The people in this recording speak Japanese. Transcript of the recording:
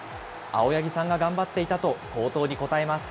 青柳さんが頑張っていたと好投に応えます。